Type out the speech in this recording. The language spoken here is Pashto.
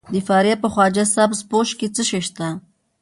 د فاریاب په خواجه سبز پوش کې څه شی شته؟